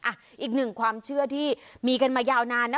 อีกหนึ่งความเชื่อที่มีกันมายาวนานนะ